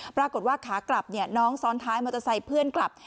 ปรากฏว่าขากลับน้องซ้อนท้ายมอเตอร์ไซค์เพื่อนกลับ